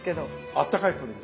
あったかいプリン